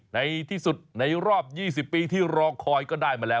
ในที่สุดในรอบ๒๐ปีที่รอคอยก็ได้มาแล้ว